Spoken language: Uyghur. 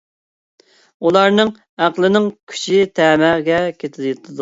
ئۇلارنىڭ ئەقلىنىڭ كۈچى تەمەگە يېتىدۇ.